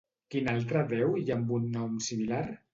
Quin altre déu hi ha amb un nom similar?